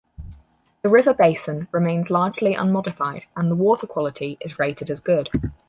The river basin remains largely unmodified and the water quality is rated as good.